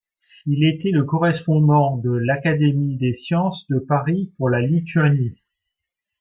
Il était le correspondant de l'Académie des sciences de Paris pour la Lituanie.